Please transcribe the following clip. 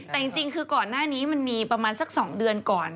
แต่จริงคือก่อนหน้านี้มันมีประมาณสัก๒เดือนก่อน